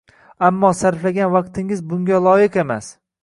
Ammo sarflagan vaqtingiz bunga loyiq emas